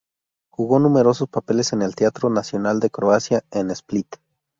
Jugó numerosos papeles en el Teatro Nacional de Croacia en Split.